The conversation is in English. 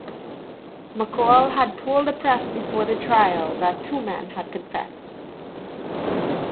McCall had told the press before the trial that two men had confessed.